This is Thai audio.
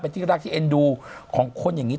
เป็นที่อยากเชื่อมดูของคนอย่างงี้